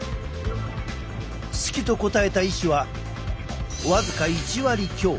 好きと答えた医師は僅か１割強。